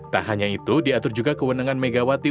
tak hanya itu diatur juga kewenangan megawati